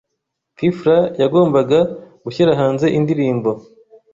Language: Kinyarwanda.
P Fla yagombaga gushyira hanze indirimbo